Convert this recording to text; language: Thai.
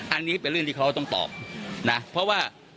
อันนี้เป็นเรื่องที่เขาต้องตอบนะเพราะว่า